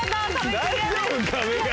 大丈夫か？